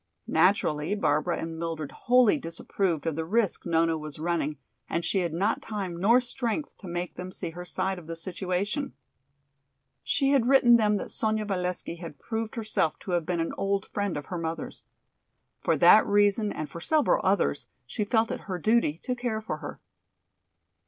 Naturally Barbara and Mildred wholly disapproved of the risk Nona was running and she had not time nor strength to make them see her side of the situation. She had written them that Sonya Valesky had proved herself to have been an old friend of her mother's. For that reason and for several others she felt it her duty to care for her.